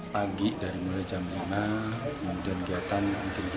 pagi dari mulai jam lima kemudian kegiatan mungkin juga